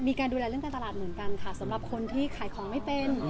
มีการดูแลเรื่องการตลาดเหมือนกันค่ะสำหรับคนที่ขายของไม่เป็น